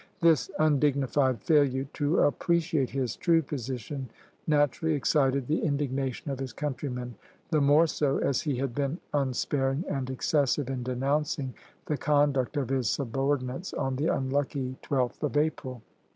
This undignified failure to appreciate his true position naturally excited the indignation of his countrymen; the more so as he had been unsparing and excessive in denouncing the conduct of his subordinates on the unlucky 12th of April.